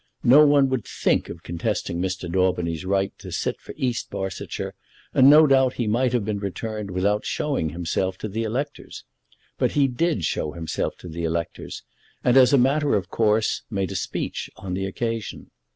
No one would think of contesting Mr. Daubeny's right to sit for East Barsetshire, and no doubt he might have been returned without showing himself to the electors. But he did show himself to the electors; and, as a matter of course, made a speech on the occasion.